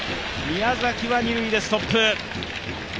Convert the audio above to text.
宮崎は二塁でストップ。